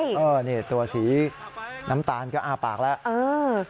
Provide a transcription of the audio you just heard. เออนี่ตัวสีน้ำตาลก็อ้าปากแล้ว